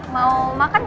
mau makan gak